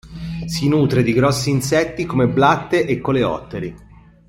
Si nutre di grossi insetti come blatte e coleotteri.